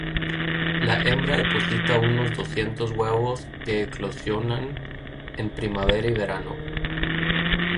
La hembra deposita unos doscientos huevos que eclosionan en primavera y verano.